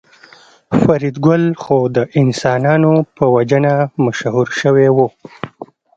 فریدګل خو د انسانانو په وژنه مشهور شوی و